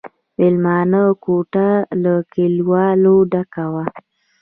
مېلمانه کوټه له کليوالو ډکه وه.